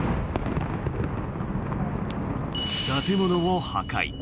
建物を破壊。